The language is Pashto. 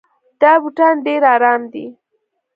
دا بوټان ډېر ارام دي.